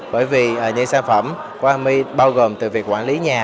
bởi vì những sản phẩm của army bao gồm từ việc quản lý nhà